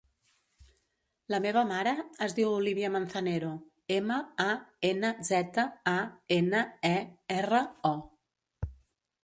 La meva mare es diu Olívia Manzanero: ema, a, ena, zeta, a, ena, e, erra, o.